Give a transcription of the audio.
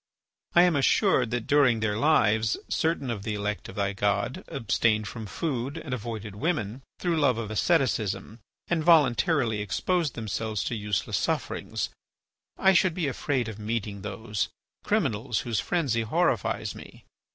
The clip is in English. I am assured that during their lives certain of the elect of thy god abstained from food and avoided women through love of asceticism, and voluntarily exposed themselves to useless sufferings. I should be afraid of meeting those, criminals whose frenzy horrifies me.